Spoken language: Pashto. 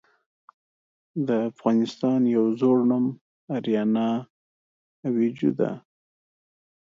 د افغانستان يو ﺯوړ نوم آريانا آويجو ده .